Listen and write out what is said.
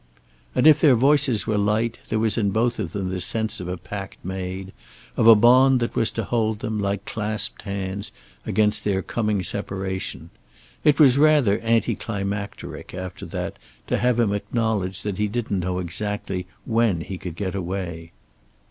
And, if their voices were light, there was in both of them the sense of a pact made, of a bond that was to hold them, like clasped hands, against their coming separation. It was rather anti climacteric after that to have him acknowledge that he didn't know exactly when he could get away!